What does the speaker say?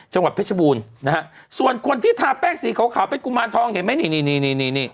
จังหวัดเพชรบูรณ์นะฮะส่วนคนที่ทาแป้งสีขาวขาวเป็นกุมารทองเห็นไหมนี่นี่